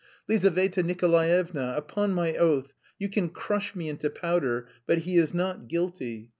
"Lizaveta Nikolaevna, upon my oath, you can crush me into powder, but he is not guilty.